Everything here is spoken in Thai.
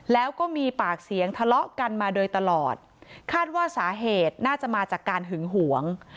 แล้วก็มีปากเสียงทะเลาะกันมาโดยตลอดคาดว่าสาเหตุน่าจะมาจากการหึงหวง